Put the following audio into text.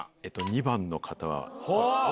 ２番の方。